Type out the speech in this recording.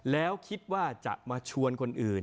แล้วคิดว่าจะมาชวนคนอื่น